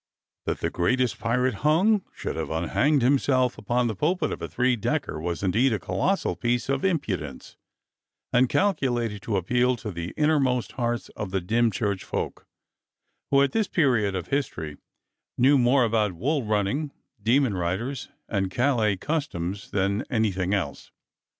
That the greatest pirate hung should have unhanged himself upon the pulpit of a three decker was indeed a colossal piece of impudence, and calculated to appeal to the innermost hearts of the Dymchurch folk, who at this period of history knew more about wool running, demon riders, and Calais customs than anything else.